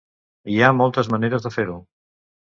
Hi ha moltes maneres de fer-ho.